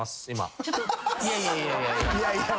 いやいやいやいや。